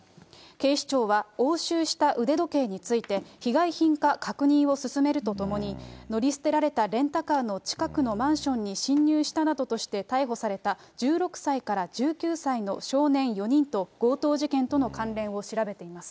警視庁は押収した腕時計について、被害品か確認を進めるとともに、乗り捨てられたレンタカーの近くのマンションに侵入したなどとして逮捕された１６歳から１９歳の少年４人と、強盗事件との関連を調べています。